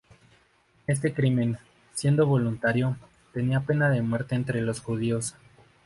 Este crimen, siendo voluntario, tenía pena de muerte entre los judíos.